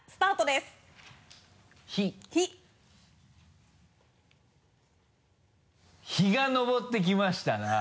「ひ」「日が昇ってきましたなぁ」